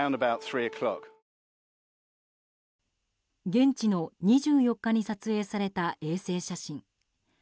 現地の２４日に撮影された衛星写真。